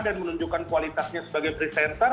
dan menunjukkan kualitasnya sebagai presenter